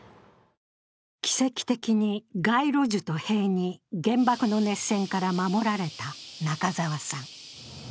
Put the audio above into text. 奇跡的に街路樹と塀に原爆の熱線から守られた中沢さん。